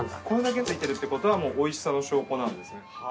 これだけ付いてるってことはおいしさの証拠なんですね。